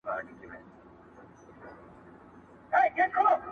لېونی نه یمه هوښیار یمه رقیب پیژنم!!